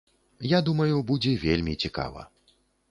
Я думаю, будзе вельмі цікава.